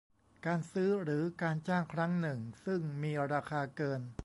การซื้อหรือการจ้างครั้งหนึ่งซึ่งมีราคาเกิน